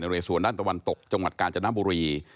เรสวนด้านตะวันตกจังหวัดกาญจนบุรี